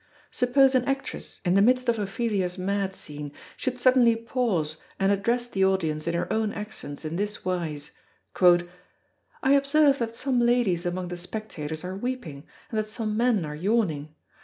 Suppose an actress in the midst of Ophelia's mad scene should suddenly pause and address the audience in her own accents in this wise: "I observe that some ladies among the spectators are weeping, and that some men are yawning.